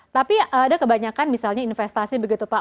tapi ada kebanyakan misalnya investasi begitu pak